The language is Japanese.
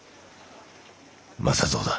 政蔵だ。